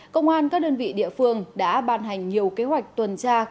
công an các đơn vị địa phương đã ban hành nhiều kế hoạch tuần tra